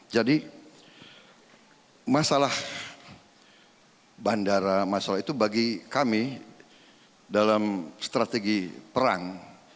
jadi masalah bandara masalah itu bagi kami dalam strategi perang